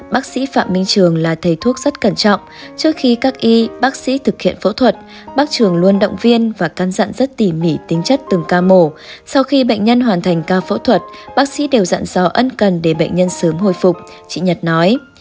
bác sĩ phạm minh trường là thầy thuốc rất cẩn trọng trước khi các y bác sĩ thực hiện phẫu thuật bác trường luôn động viên và căn dặn rất tỉ mỉ tính chất từng ca mổ sau khi bệnh nhân hoàn thành ca phẫu thuật bác sĩ đều dặn dò ân cần để bệnh nhân sớm hồi phục chị nhật nói